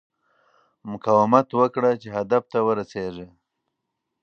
مقاومت وکړه چې هدف ته ورسېږې.